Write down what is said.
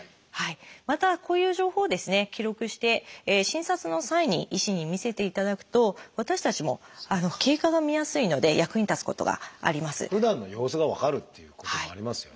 またこういう情報を記録して診察の際に医師に見せていただくと私たちも経過が見やすいので役に立つことがあります。ふだんの様子が分かるっていうこともありますよね。